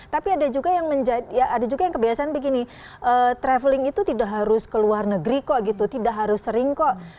tapi ada juga yang kebiasaan begini traveling itu tidak harus ke luar negeri kok gitu tidak harus sering kok